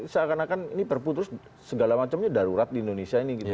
seakan akan ini perpu terus segala macamnya darurat di indonesia ini gitu